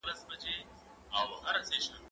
زه به سبا اوبه پاک کړم